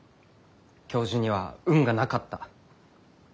教授には運がなかった。